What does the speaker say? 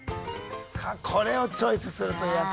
さあこれをチョイスするという辺り。